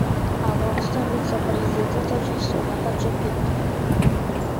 Afg‘oniston vise-prezidenti Tojikistonga qochib ketdi